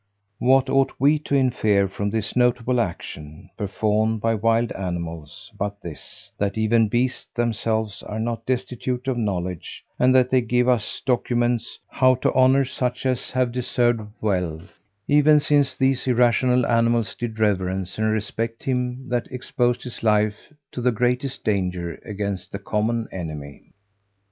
What ought we to infer from this notable action, performed by wild animals, but this: that even beasts themselves are not destitute of knowledge, and that they give us documents how to honour such as have deserved well; even since these irrational animals did reverence and respect him that exposed his life to the greatest danger against the common enemy?